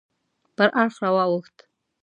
پر اړخ راواوښت.